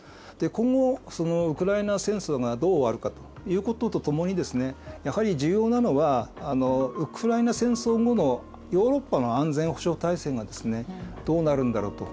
今後ウクライナ戦争がどう終わるかということとともにですねやはり重要なのはウクライナ戦争後のヨーロッパの安全保障体制がですねどうなるんだろうと。